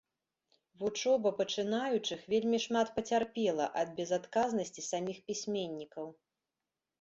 Вучоба пачынаючых вельмі шмат пацярпела ад безадказнасці саміх пісьменнікаў.